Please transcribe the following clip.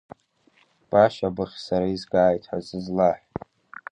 Кәашьа быххь сара изгааит ҳәа сызлаҳә…